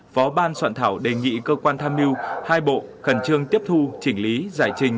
phó ban soạn thảo đề nghị cơ quan tham mưu hai bộ khẩn trương tiếp thu chỉnh lý giải trình